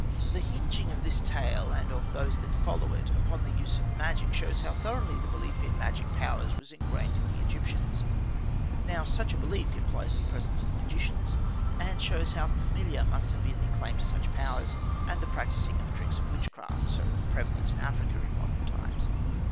The hinging of this tale, and of those that follow it, upon the use of magic, shows how thoroughly the belief in magic powers was ingrained in the Egyptians. Now such a belief implies the presence of magicians, and shows how familiar must have been the claim to such powers, and the practising of the tricks of witchcraft, so prevalent in Africa in modern times.